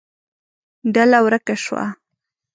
ډله ورکه شوه.